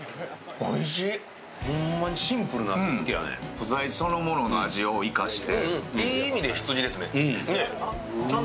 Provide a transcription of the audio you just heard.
素材そのものの味を生かして。